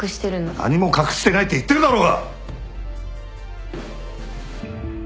何も隠してないって言ってるだろうが！